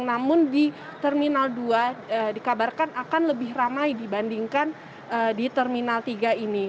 namun di terminal dua dikabarkan akan lebih ramai dibandingkan di terminal tiga ini